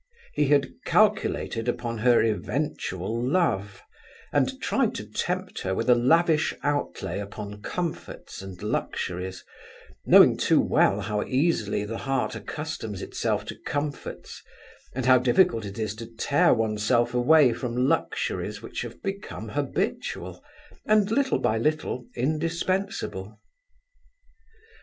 He had calculated upon her eventual love, and tried to tempt her with a lavish outlay upon comforts and luxuries, knowing too well how easily the heart accustoms itself to comforts, and how difficult it is to tear one's self away from luxuries which have become habitual and, little by little, indispensable.